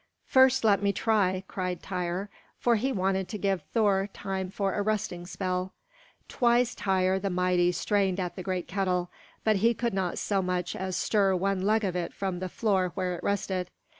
"First let me try," cried Tŷr; for he wanted to give Thor time for a resting spell. Twice Tŷr the mighty strained at the great kettle, but he could not so much as stir one leg of it from the floor where it rested.